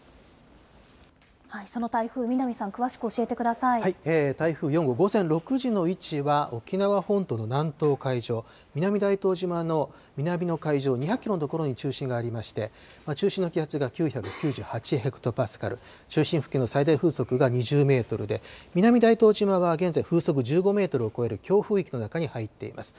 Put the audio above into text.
その台風、南さん、台風４号、午前６時の位置は、沖縄本島の南東海上、南大東島の南の海上２００キロの所に中心がありまして、中心の気圧が９９８ヘクトパスカル、中心付近の最大風速が２０メートルで、南大東島は現在、風速１５メートルを超える強風域の中に入っています。